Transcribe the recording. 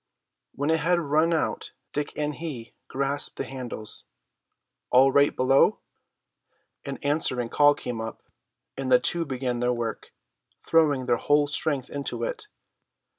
When it had run out Dick and he grasped the handles. "All right below?" An answering call came up, and the two began their work, throwing their whole strength into it.